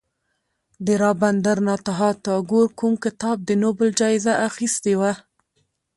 د رابندر ناته ټاګور کوم کتاب د نوبل جایزه اخیستې وه.